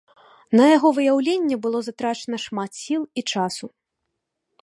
На яго выяўленне было затрачана шмат сіл і часу.